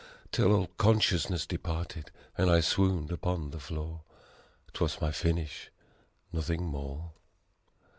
Till all consciousness departed and I swooned upon the floor. 'Twas my finish, nothing more.